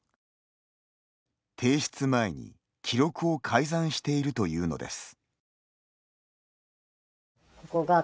提出前に記録を改ざんしているというのです。